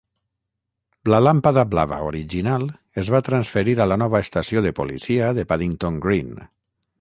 La làmpada blava original es va transferir a la nova estació de policia de Paddington Green.